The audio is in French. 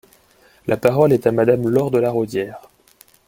La parole est à Madame Laure de La Raudière.